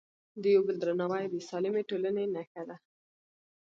د یو بل درناوی د سالمې ټولنې نښه ده.